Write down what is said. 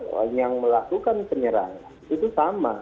dan yang melakukan penyerangan itu sama